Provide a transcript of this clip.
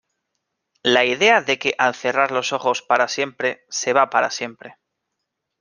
La idea de que al cerrar los ojos para siempre, se va para siempre.